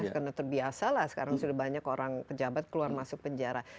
karena terbiasalah sekarang sudah banyak orang pejabat keluar masuk penjara